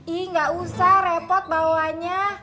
ih gak usah repot bawanya